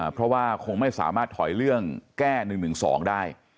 เพราะว่าคงไม่สามารถถอยเรื่องแก้๑๑๒ได้